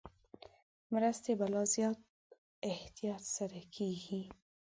مرستې په لا زیات احتیاط سره کېږي.